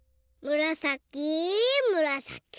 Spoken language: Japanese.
むらさきむらさき。